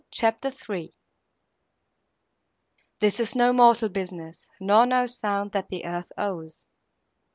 CHAPTER III This is no mortal business, nor no sound That the earth owes!